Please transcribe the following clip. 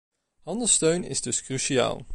Handelssteun is dus cruciaal.